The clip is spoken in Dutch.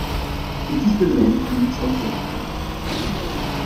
Dit is de lijn die ik zal volgen.